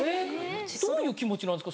どういう気持ちなんですか？